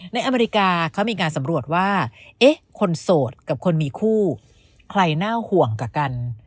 อเมริกาเขามีการสำรวจว่าเอ๊ะคนโสดกับคนมีคู่ใครน่าห่วงกว่ากัน